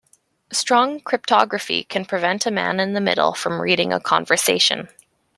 Strong cryptography can prevent a man in the middle from reading a conversation.